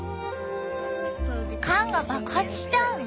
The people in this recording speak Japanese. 缶が爆発しちゃうの？